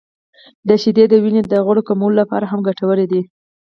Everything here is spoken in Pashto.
• شیدې د وینې د غوړ کمولو لپاره هم ګټورې دي.